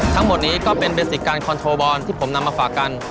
ทั้งหมดนี้ก็เป็นเบสิกการคอนโทรบอลที่ผมนำมาฝากกัน